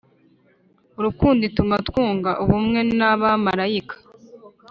urukundo ituma twunga ubumwe n’abamalayika ,